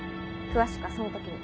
詳しくはその時に。